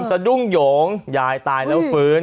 สะดุ้งโยงยายตายแล้วฟื้น